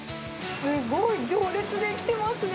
すごい行列出来てますね。